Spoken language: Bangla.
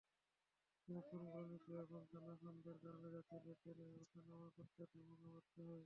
প্ল্যাটফর্মগুলো নিচু এবং খানাখন্দের কারণে যাত্রীদের ট্রেনে ওঠানামা করতে দুর্ভোগে পড়তে হয়।